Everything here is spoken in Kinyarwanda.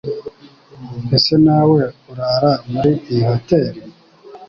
Ese nawe urara muri iyi hoteri?